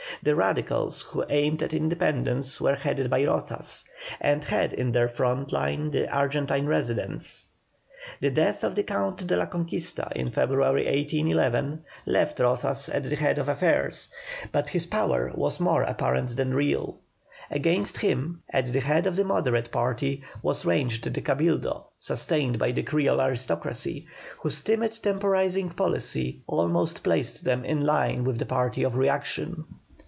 The Radicals, who aimed at independence, were headed by Rozas, and had in their front line the Argentine residents. The death of the Count de la Conquista in February, 1811, left Rozas at the head of affairs, but his power was more apparent than real. Against him, at the head of the Moderate party, was ranged the Cabildo, sustained by the Creole aristocracy, whose timid temporising policy almost placed them in line with the party of reaction.